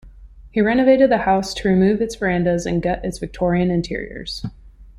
He renovated the house to remove its verandas and gut its Victorian interiors.